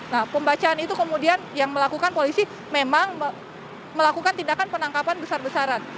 nah pembacaan itu kemudian yang melakukan polisi memang melakukan tindakan penangkapan besar besaran